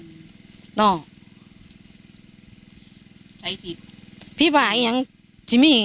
โอเคโอเค